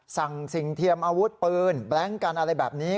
สิ่งเทียมอาวุธปืนแบล็งกันอะไรแบบนี้